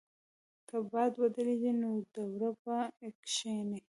که باد ودریږي، نو دوړه به کښېني.